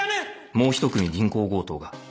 もうひと組銀行強盗が